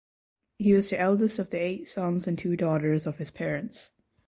He was the eldest of the eight sons and two daughters of his parents.